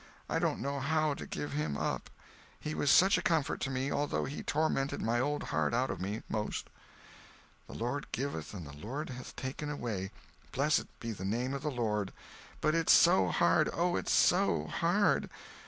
I don't know how to give him up! He was such a comfort to me, although he tormented my old heart out of me, 'most." "The Lord giveth and the Lord hath taken away—Blessed be the name of the Lord! But it's so hard—Oh, it's so hard!